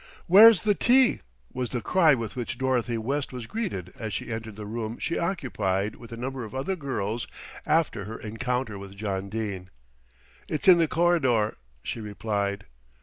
"Where's the tea?" was the cry with which Dorothy West was greeted as she entered the room she occupied with a number of other girls after her encounter with John Dene. "It's in the corridor," she replied.